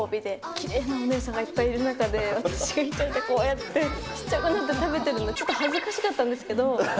きれいなお姉さんがいっぱいいる中で、私が１人でこうやってちっちゃくなって食べてるの、ちょっと恥ずかしかったんですけど。